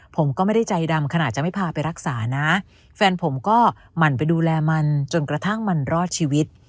ผมก็ไม่ได้ใจดำขนาดจะไม่พาไปรักษานะแฟนผมก็หมั่นไปดูแลมันจนกระทั่งมันรอดชีวิต